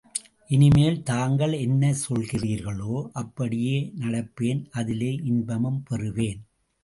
இனிமேல் தாங்கள் என்ன சொல்கிறீர்களோ அப்படியே நடப்பேன் அதிலே இன்பம் பெறுவேன்.